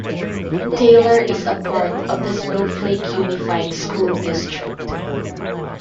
Taylor is a part of the Snowflake Unified School District.